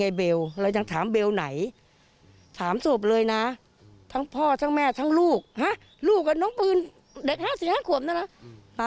ไอ้แก่ไปอย่างไงเบล